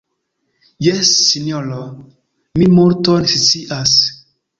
Jes, sinjoro, mi multon scias.